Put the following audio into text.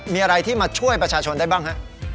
มีอะไรที่มาช่วยประชาชนได้บ้างฮะ